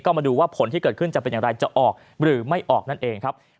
ก็มาดูว่าผลที่เกิดขึ้นจะเป็นอย่างไรจะออกหรือไม่ออกนั่นเองครับ